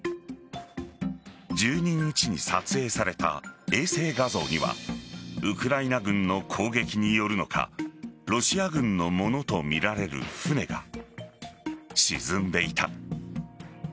１２日に撮影された衛星画像にはウクライナ軍の攻撃によるのかロシア軍のものとみられる船が沈んでいた。